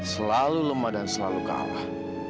selalu lemah dan selalu kalah